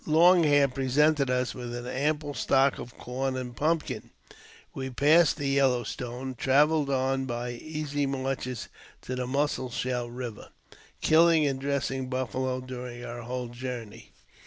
Long Hair presented us with an ample stock af corn and pumpkins. We passe(i the Yellow Stone, and travelled on by easy marches to the Mussel Shell Eiver, killing and dressing buffalo during our whole journey.